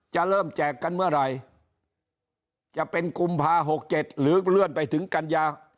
จะเริ่มแจกกันเมื่อไหร่จะเป็นกุมภา๖๗หรือเลื่อนไปถึงกัญญา